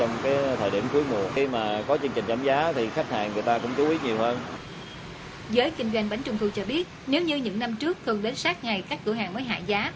giới kinh doanh bánh trung thu cho biết nếu như những năm trước cần đến sát ngày các cửa hàng mới hạ giá